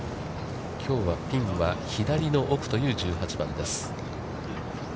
きょうはピンは左の奥という１８番です。